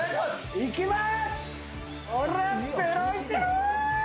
行きます。